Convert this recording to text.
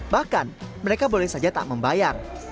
bahkan mereka boleh saja tak membayar